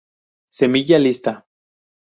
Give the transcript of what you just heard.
Semilla lisa.